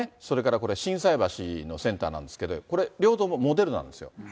それからこれ、心斎橋のセンターなんですけれども、これ、両方ともモデルナですよ。